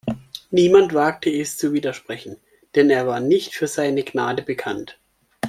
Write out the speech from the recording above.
Niemand wagte es zu widersprechen, denn er war nicht für seine Gnade bekannt.